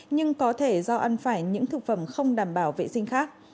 nhưng có thể do ăn phải những thực phẩm không đảm bảo vệ sinh khác